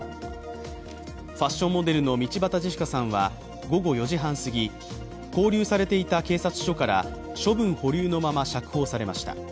ファッションモデルの道端ジェシカさんは午後４時半すぎ勾留されていた警察署から処分保留のまま釈放されました。